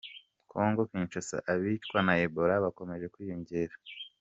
Congo Kinshasa: Abicwa na Ebola bakomeje kwiyongera.